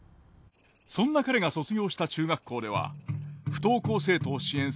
そんな彼が卒業した中学校では不登校生徒を支援する教室